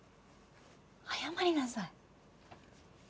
謝りなさい。